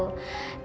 terima kasih pak